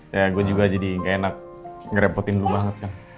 ya gue juga jadi gak enak ngerepotin gue banget kan